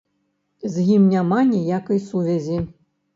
З ім няма ніякай сувязі.